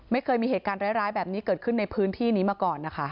ไม่เคยมีเหตุการณ์ร้ายแบบนี้เกิดขึ้นในพื้นที่นี้มาก่อนนะคะ